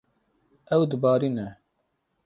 Ew dibarîne.